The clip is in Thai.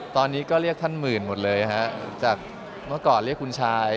ตอนนี้ก็เรียกท่านหมื่นหมดเลยฮะจากเมื่อก่อนเรียกคุณชาย